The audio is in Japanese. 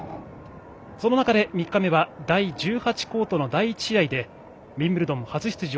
その中で３日目は第１８コートの第１試合目でウィンブルドン初出場